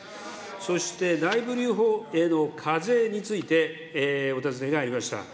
そして内部留保への課税についてお尋ねがありました。